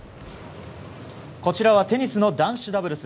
こちらはテニスの男子ダブルス。